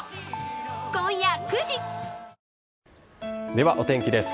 では、お天気です。